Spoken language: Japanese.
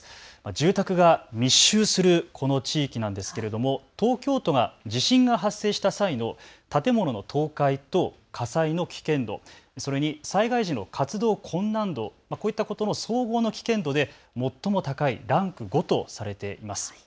住宅が密集するこの地域なんですけれども、東京都が地震が発生した際の建物の倒壊と火災の危険度、それに災害時の活動困難度、こういったことの総合の危険度で最も高いランク５と伝えています。